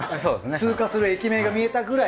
通過する駅名が見えたくらい。